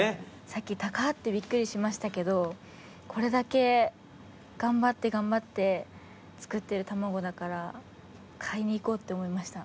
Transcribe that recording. さっき高っ！てビックリしましたけどこれだけ頑張って頑張って作ってる卵だから買いに行こうって思いました。